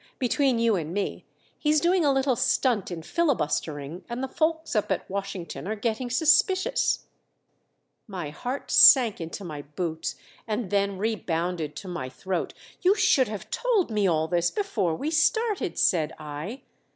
Between you and me, he's doing a little stunt in filibustering, and the folks up at Washington are getting suspicious." My heart sank into my boots and then rebounded to my throat. "You should have told me all this before we started," said I.